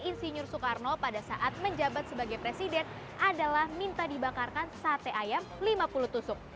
insinyur soekarno pada saat menjabat sebagai presiden adalah minta dibakarkan sate ayam lima puluh tusuk